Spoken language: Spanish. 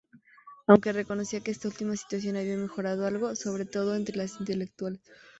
Aunque reconocía que esta última situación había mejorado algo, sobre todo entre las intelectuales.